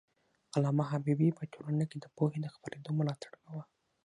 علامه حبيبي په ټولنه کي د پوهې د خپرېدو ملاتړ کاوه.